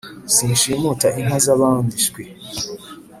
Sinshimuta inka zabandi shwi